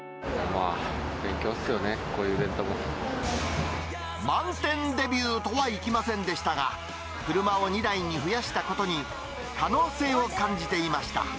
あ勉強ですよね、こういう満点デビューとはいきませんでしたが、車を２台に増やしたことに、可能性を感じていました。